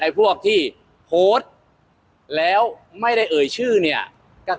ไอ้พวกที่โพสต์แล้วไม่ได้เอ่ยชื่อเนี้ยกล้าหน่อย